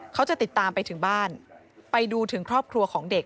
เขาจะติดตามไปถึงบ้านไปดูถึงครอบครัวของเด็ก